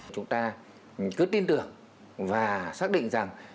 chúng ta cứ tin tưởng và xác định rằng